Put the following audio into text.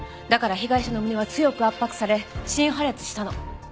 だから被疑者の胸は強く圧迫され心破裂したの。